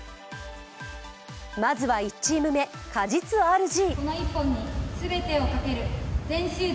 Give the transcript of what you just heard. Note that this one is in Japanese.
まずは１チーム目、鹿実ＲＧ。